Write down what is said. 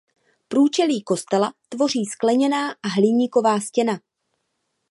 Průčelí kostela tvoří skleněná a hliníková stěna.